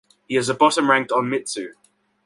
He is a bottom-ranked onmitsu.